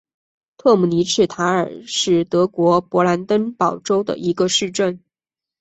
特姆尼茨塔尔是德国勃兰登堡州的一个市镇。